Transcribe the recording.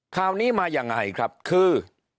ข่าวนี้มายังไงครับคือ